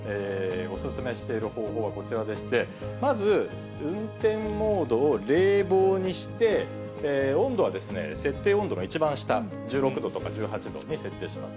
お勧めしている方法はこちらでして、まず運転モードを冷房にして、温度は設定温度の一番下、１６度とか１８度に設定します。